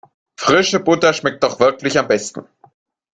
Frische Butter schmeckt doch wirklich am besten.